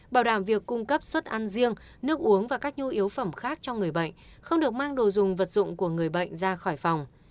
bảo đảm việc cung cấp suất ăn riêng nước uống và các nhu yếu phẩm khác cho người bệnh không được mang đồ dùng vật dụng của người bệnh ra khỏi phòng